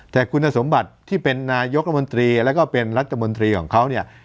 แต่คุณสมบัติที่เป็นนายกรัฐมนตรีของเขาเนี่ย